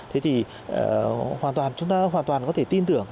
thế thì chúng ta hoàn toàn có thể tin tưởng